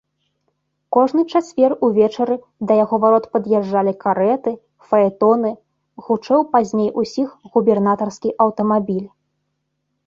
Кожны чацвер увечары да яго варот пад'язджалі карэты, фаэтоны, гучэў пазней усіх губернатарскі аўтамабіль.